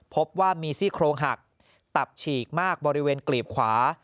พบว่ามีซี่โครงหักตับฉีกมากบริเวณกลีบขวา